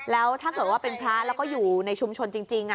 แล้วถ้าเกิดว่าเป็นพระแล้วก็อยู่ในชุมชนจริง